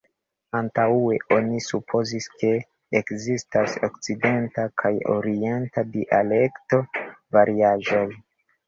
Antaŭe oni supozis, ke ekzistas okcidenta kaj orienta dialekta variaĵoj.